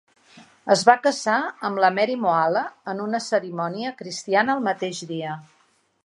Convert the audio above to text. Es va casar amb la Mary Moala en una cerimònia cristiana el mateix dia.